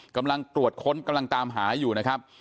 กำลังตรวจค้นกำลังตามหาอยู่นะครับ